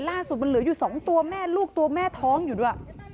ล่าสุดมันเหลืออยู่๒ตัวแม่ลูกตัวแม่ท้องอยู่ด้วย